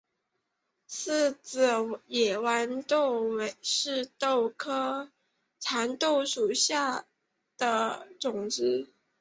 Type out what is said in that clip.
四籽野豌豆是豆科蚕豆属的植物。